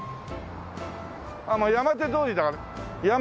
まあ山手通りだから山手。